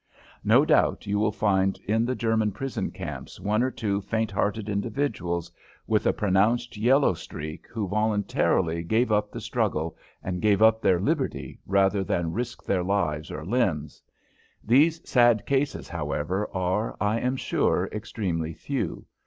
No doubt you will find in the German prison camps one or two faint hearted individuals with a pronounced yellow streak who voluntarily gave up the struggle and gave up their liberty rather than risk their lives or limbs. These sad cases, however, are, I am sure, extremely few.